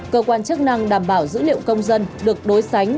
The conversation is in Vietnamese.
cơ quan chức năng đảm bảo dữ liệu công dân được đối sánh